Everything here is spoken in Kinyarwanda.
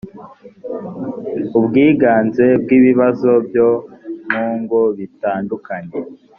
ubwiganze bw ibibazo byo mu ngo bitandukanye